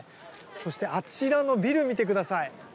そしてあちらのビルを見てください。